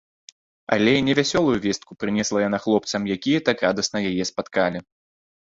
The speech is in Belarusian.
Але не вясёлую вестку прынесла яна хлопцам, якія так радасна яе спаткалі.